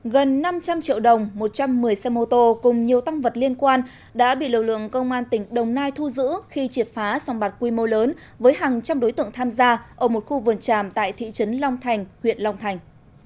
gần năm trăm linh triệu đồng một trăm một mươi xe mô tô cùng nhiều tăng vật liên quan đã bị lực lượng công an tỉnh đồng nai thu giữ khi triệt phá song bạt quy mô lớn với hàng trăm đối tượng tham gia ở một khu vườn tràm tại thị trấn long thành huyện long thành